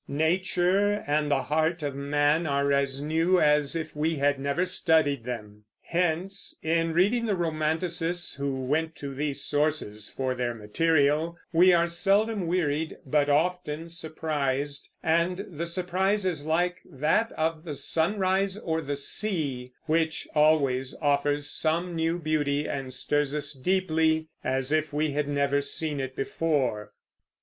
Nature and the heart of man are as new as if we had never studied them. Hence, in reading the romanticists, who went to these sources for their material, we are seldom wearied but often surprised; and the surprise is like that of the sunrise, or the sea, which always offers some new beauty and stirs us deeply, as if we had never seen it before.